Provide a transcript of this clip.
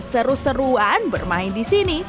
seru seruan bermain di sini